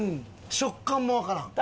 食感もわからん。